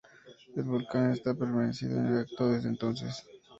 El volcán ha permanecido inactivo desde entonces.